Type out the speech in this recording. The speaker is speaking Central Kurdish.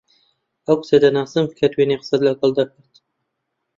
ئەو کچە دەناسم کە دوێنێ قسەت لەگەڵ دەکرد.